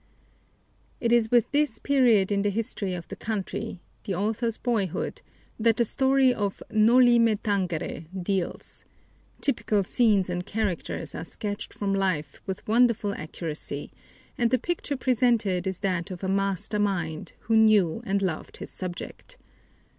It is with this period in the history of the country the author's boyhood that the story of Noli Me Tangere deals. Typical scenes and characters are sketched from life with wonderful accuracy, and the picture presented is that of a master mind, who knew and loved his subject.